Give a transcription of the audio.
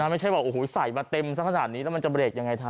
ไม่ใช่บอกโอ้โหใส่มาเต็มสักขนาดนี้แล้วมันจะเรกยังไงทัน